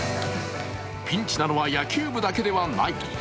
ピンチなのは野球部だけではない。